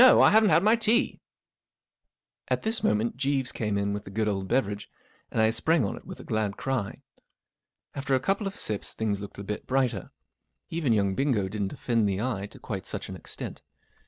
I haven't had my tea." At this moment Jeeves came in with the good old beverage, and I sprang on it with a glad cry. After a couple of sips things looked a bit brighter. Even young Bingo didn't offend the eye to quite such an extent.